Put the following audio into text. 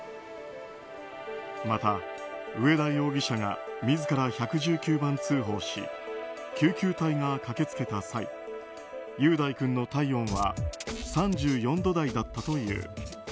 また、上田容疑者が自ら１１９番通報し救急隊が駆け付けた際雄大君の体温は３４度台だったという。